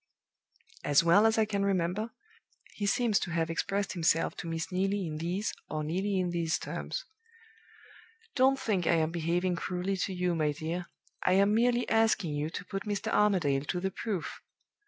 As well as I can remember, he seems to have expressed himself to Miss Neelie in these, or nearly in these terms: "'Don't think I am behaving cruelly to you, my dear: I am merely asking you to put Mr. Armadale to the proof.